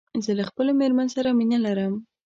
زه له خپلې ميرمن سره مينه لرم